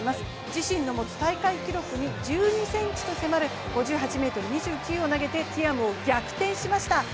自身の持つ大会記録に１２ｃｍと迫る５８ｍ２９を投げてティアムを逆転しました。